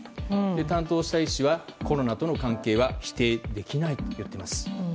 担当した医師はコロナとの関係は否定できないと言っています。